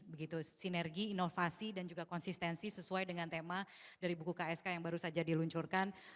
begitu sinergi inovasi dan juga konsistensi sesuai dengan tema dari buku ksk yang baru saja diluncurkan